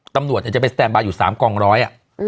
ตำรวจจะไปสแตนบาร์อยู่๓กองร้อย